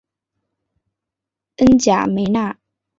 恩贾梅纳。